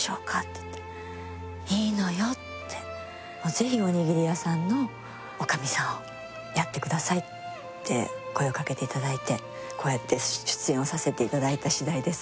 ぜひおにぎり屋さんの女将さんをやってくださいって声をかけていただいてこうやって出演をさせていただいた次第です